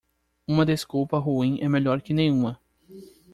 Uma desculpa ruim é melhor que nenhuma.